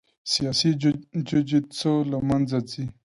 سیاسي جوجیتسو له منځه ځي.